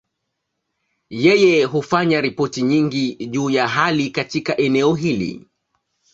Yeye hufanya ripoti nyingi juu ya hali katika eneo hili.